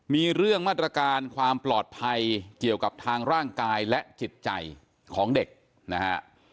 มีเรื่องมาตรการความปลอดภัยเกี่ยวกับทางร่างกายและจิตใจของเด็กนะฮะ